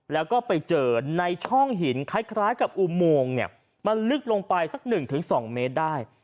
แล้วก็ไปเจอในช่องหินคล้ายกับอุโมงเนี่ยมันลึกลงไปสัก๑๒เมตรได้